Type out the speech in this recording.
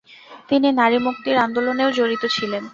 তিনি নারী মুক্তির আন্দোলনেও জড়িত ছিলেন।